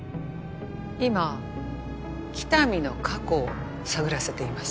今喜多見の過去を探らせています